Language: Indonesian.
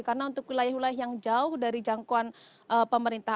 karena untuk wilayah wilayah yang jauh dari jangkauan pemerintah